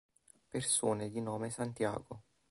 Persone di nome Santiago